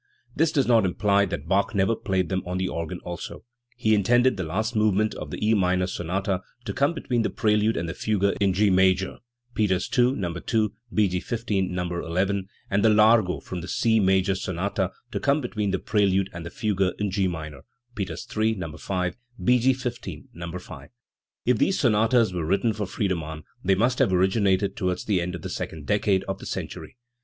This does not imply that Bach never played them on the organ also. He intended the last movement of the E minor sonata to come between the prelude and the fugue in G major (Peters II, No. 2; B. G. XV, No. n) and the largo from the C major sonata to come between the prelude and the fugue in G minor (Peters III, No. 5; B, G. XV, No. 5). If these sonatas were written for Friedemann, they must have originated towards the end of the second decade of the century.